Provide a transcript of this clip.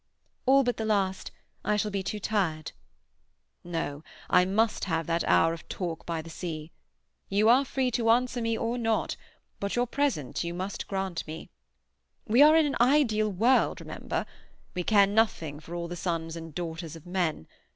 "All but the last. I shall be too tired." "No. I must have that hour of talk by the sea. You are free to answer me or not, but your presence you must grant me. We are in an ideal world remember. We care nothing for all the sons and daughters of men.